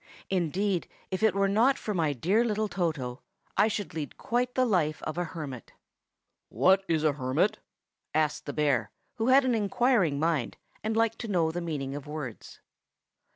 Indeed, if it were not for my dear little Toto, I should lead quite the life of a hermit." "What is a hermit?" asked the bear, who had an inquiring mind, and liked to know the meaning of words.